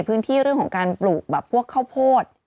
พื้นที่เรื่องของการปลูกแบบพวกเข้าโพด